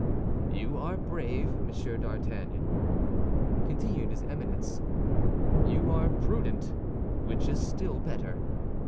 "You are brave, Monsieur d'Artagnan," continued his Eminence; "you are prudent, which is still better.